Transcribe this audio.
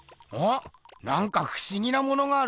なんかふしぎなものがあるぞ。